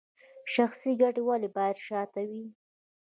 شخصي ګټې ولې باید شاته وي؟